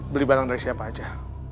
beli barang dari siapa aja